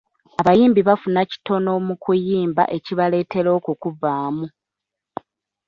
Abayimbi bafuna kitono mu kuyimba ekibaletera okukuvaamu.